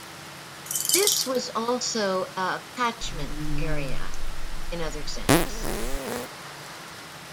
This was also a 'catchment area' in another sense.